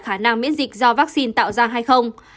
khả năng miễn dịch do vaccine tạo ra hay không